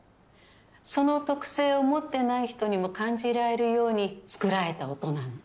その特性を持ってない人にも感じられるように作られた音なの。